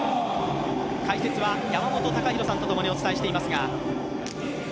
解説は山本隆弘さんと共にお伝えしています。